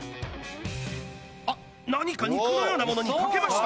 あっ何か肉のようなものにかけました！